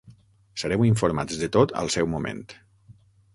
Sereu informats de tot al seu moment.